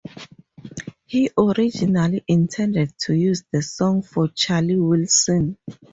He originally intended to use the song for Charlie Wilson.